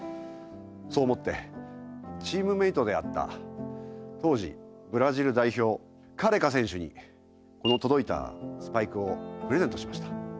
そう思ってチームメートであった当時ブラジル代表カレカ選手にこの届いたスパイクをプレゼントしました。